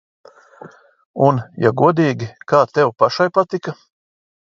Un, ja godīgi, kā tev pašai patika?